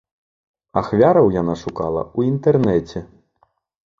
Ахвяраў яна шукала ў інтэрнэце.